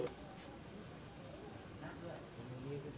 พวกเขาถ่ายมันตรงกลาง